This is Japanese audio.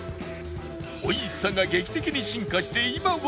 美味しさが劇的に進化して今話題！